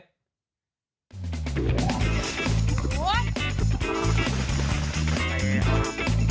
ขอให้ในเวลาให้ลูกให้หลานขึ้นมากว่านี้นะ